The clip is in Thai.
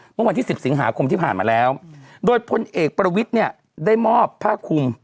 เมื่อวันที่สิบสิงหาคมที่ผ่านมาแล้วโดยพลเอกประวิทย์เนี่ยได้มอบผ้าคุม